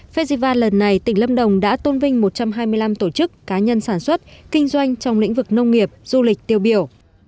festival lần này tỉnh lâm đồng đã tôn vinh một trăm hai mươi năm tổ chức cá nhân sản xuất kinh doanh trong lĩnh vực nông nghiệp du lịch tiêu biểu